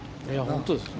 本当ですよ。